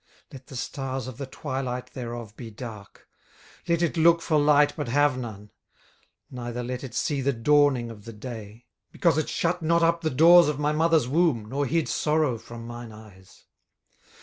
18:003:009 Let the stars of the twilight thereof be dark; let it look for light, but have none; neither let it see the dawning of the day: 18:003:010 Because it shut not up the doors of my mother's womb, nor hid sorrow from mine eyes.